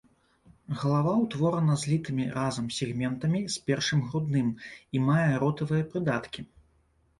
Галава ўтворана злітымі разам сегментамі з першым грудным і мае ротавыя прыдаткі.